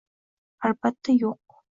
Albatta, yo'q.